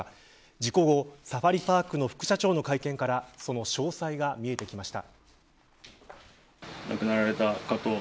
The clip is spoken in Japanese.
事故後、サファリパークの副社長の会見からその詳細が見えてきました。